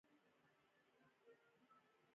عصري تعلیم مهم دی ځکه چې روغتیایي پوهاوی لوړوي.